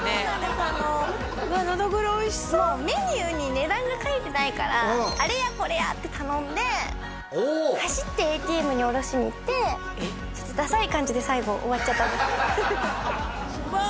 もうメニューに値段が書いてないからあれやこれやって頼んで走ってＡＴＭにおろしに行ってちょっとダサい感じで最後終わっちゃったんですうわ